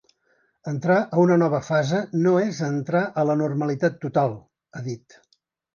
Entrar a una nova fase no és entrar a la normalitat total ha dit.